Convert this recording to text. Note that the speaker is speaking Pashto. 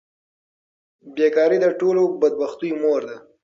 بیکاري د ټولو بدبختیو مور ده.